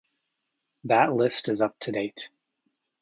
That list is up to date.